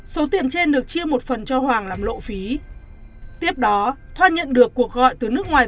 số tiền trên được chia một phần cho hoàng làm lộ phí tiếp đó thoa nhận được cuộc gọi từ nước ngoài